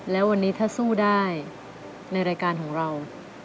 แล้ววันนี้ถ้าสู้ได้ในรายการของเรา